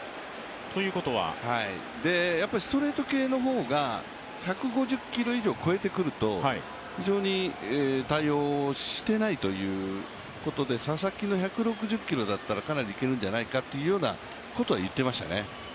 ストレート系の方が１５０キロ以上超えてくると非常に対応してないということで、佐々木の１６０キロだったらかなりいけるんじゃないかというようなことは言ってましたね。